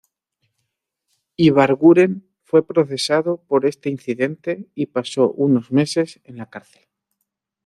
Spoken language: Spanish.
Ibarguren fue procesado por este incidente y pasó unos meses en la cárcel.